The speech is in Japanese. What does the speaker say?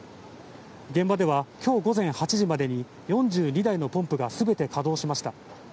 現場では今日午前８時までに４２台のポンプが全て稼働しました。